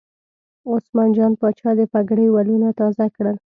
عثمان جان پاچا د پګړۍ ولونه تازه کړل.